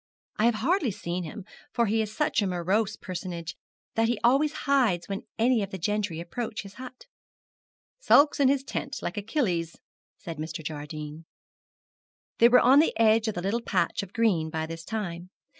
I have hardly seen him, for he is such a morose personage that he always hides when any of the gentry approach his hut.' 'Sulks in his tent, like Achilles,' said Mr. Jardine. They were on the edge of the little patch of green by this time.